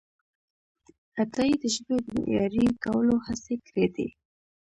عطایي د ژبې د معیاري کولو هڅې کړیدي.